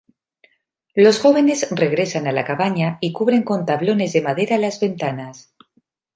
Los jóvenes regresan a la cabaña y cubren con tablones de madera las ventanas.